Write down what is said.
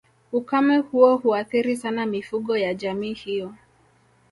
Ukame huo huathiri sana mifugo ya jamii hiyo